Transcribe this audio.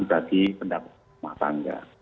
dan bagi pendapat masangga